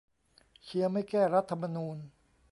เชียร์ไม่แก้รัฐธรรมนูญ